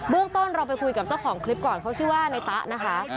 เรื่องต้นเราไปคุยกับเจ้าของคลิปก่อนเขาชื่อว่าในตะนะคะ